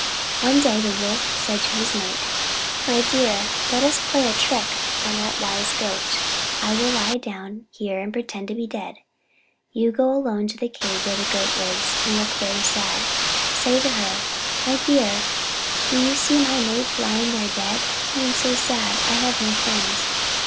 One day the Wolf said to his mate: "My dear, let us play a trick on that wise Goat. I will lie down here pretending to be dead. You go alone to the cave where the Goat lives, and looking very sad, say to her: 'My dear, do you see my mate lying there dead? I am so sad; I have no friends.